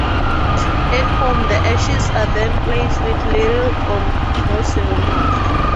At home the ashes are then placed with little or no ceremony.